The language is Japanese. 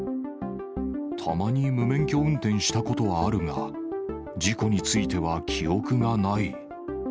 たまに無免許運転したことはあるが、事故については記憶がない。